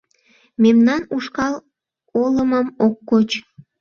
Мемнан ушкал олымым ок коч